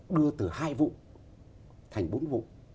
đưa từ hai vụ thành bốn vụ